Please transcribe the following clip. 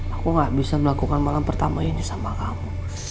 aku gak bisa melakukan malam pertama ini sama kamu